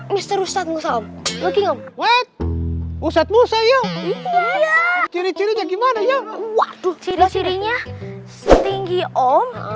mister ustadz musa om mungkin om usah usah yuk ciri cirinya gimana ya waduh cirinya tinggi om